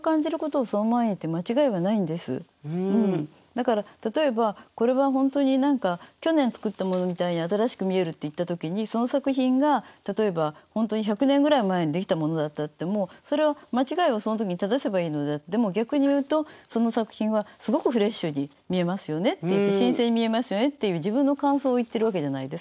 だから例えばこれは本当に去年作ったものみたいに新しく見えるって言った時にその作品が例えば本当に１００年前ぐらいに出来たものであってもそれは間違いをその時に正せばいいのであってでも逆に言うとその作品はすごくフレッシュに見えますよねっていって新鮮に見えますよねっていう自分の感想を言ってるわけじゃないですか。